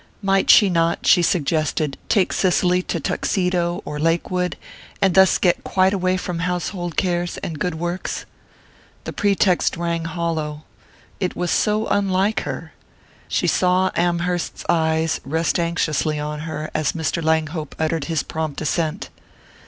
Might she not, she suggested, take Cicely to Tuxedo or Lakewood, and thus get quite away from household cares and good works? The pretext rang hollow it was so unlike her! She saw Amherst's eyes rest anxiously on her as Mr. Langhope uttered his prompt assent.